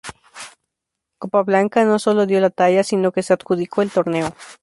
Capablanca no solo dio la talla, sino que se adjudicó el torneo.